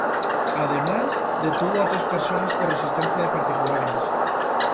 Además detuvo a tres personas por resistencia de particulares.